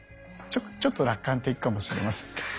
ちょっと楽観的かもしれませんけど。